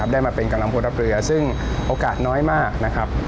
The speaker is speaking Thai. ได้มาเป็นกำลังพลทัพเรือซึ่งโอกาสน้อยมากนะครับ